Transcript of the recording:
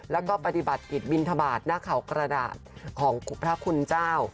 แล้วก็ปฏิบัติกิจบินทบาทหน้าเขากระดาษของพระคุณเจ้า